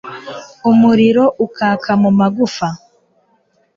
umuriro ukaka mu magufa